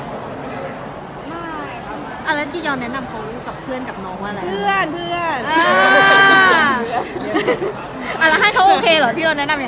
ไม่มีอะไรแต่ว่าด้วยทุกคนเป็นคนเกาหลีก